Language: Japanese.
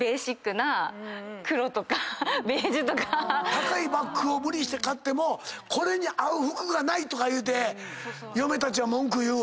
高いバッグを無理して買ってもこれに合う服がないとか言うて嫁たちは文句言うわ。